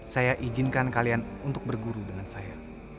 saya izinkan kalian untuk berguru dengan saya